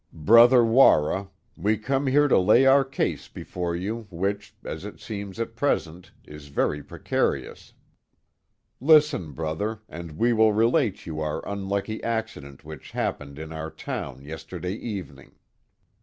Brother Warra. — We come here to lay our case before you which, as it seems at present, is very precarious; listen Brother, and we will relate you our unlucky accident which happened in our town yesterday evening.